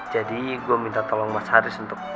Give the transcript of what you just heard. jadi gue minta tolong mas haris untuk